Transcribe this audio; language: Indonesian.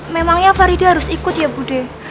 memangnya farida harus ikut ya budi